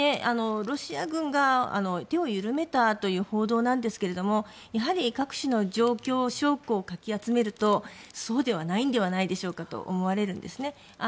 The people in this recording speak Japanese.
ロシア軍が手を緩めたという報道なんですけれどやはり各地の状況証拠をかき集めるとそうではないのではないかと思われるんですね。